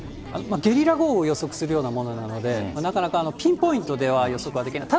ゲリラ豪雨を予測するようなものなので、なかなかピンポイントでは予測はできない。